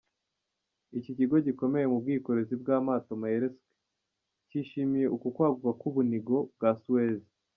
Ikigo gikomeye mu bwikorezi bw’amato Maersk, cyishimiye uku kwaguka k’ubunigo bwa Suez.